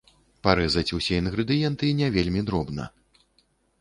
Парэзаць усе інгрэдыенты не вельмі дробна.